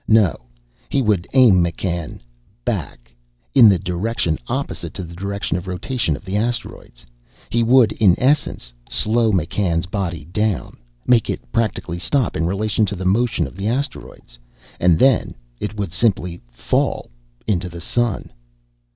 No, he would aim McCann back, in the direction opposite to the direction or rotation of the asteroids. He would, in essence, slow McCann's body down, make it practically stop in relation to the motion of the asteroids. And then it would simply fall into the sun.